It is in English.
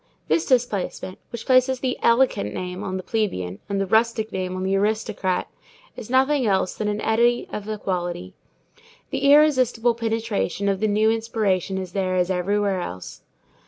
This displacement, which places the "elegant" name on the plebeian and the rustic name on the aristocrat, is nothing else than an eddy of equality. The irresistible penetration of the new inspiration is there as everywhere else.